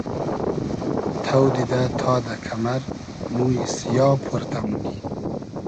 تۆ دیدۂ تا دۂ کئمئر مویی سیا پۉرتۂ مونی